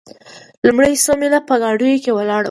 لومړي څو میله په ګاډیو کې ولاړو.